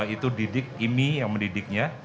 itu didik ini yang mendidiknya